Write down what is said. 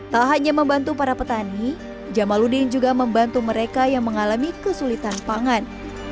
tak hanya membantu para petani jamaludin juga membantu mereka yang mengalami kesulitan pangan